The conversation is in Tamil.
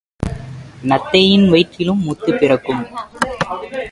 நத்தையின் வயிற்றிலும் முத்துப் பிறக்கும்.